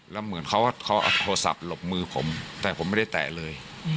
แล้วเหมือนเขาเอาโทรศัพท์หลบมือผมแต่ผมไม่ได้แตะเลย